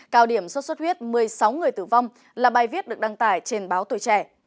cao điểm sốt xuất huyết một mươi sáu người tử vong là bài viết được đăng tải trên báo tuổi trẻ